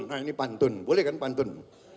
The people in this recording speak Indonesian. nah ini pantun boleh kan pantun